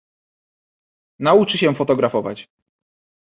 "Nauczy się fotografować."